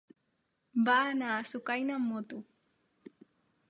Va anar a Sucaina amb moto.